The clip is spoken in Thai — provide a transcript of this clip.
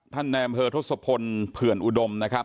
ท่านเนยมเพอทศพลเผื่นอุดมนะครับ